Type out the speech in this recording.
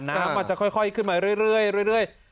น้ำมันจะค่อยขึ้นมาเรื่อย